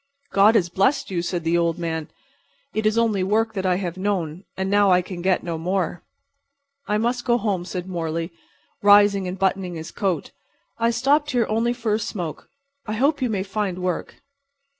"God has blessed you," said the old man. "It is only work that I have known. And now I can get no more." "I must go home," said Morley, rising and buttoning his coat. "I stopped here only for a smoke. I hope you may find work."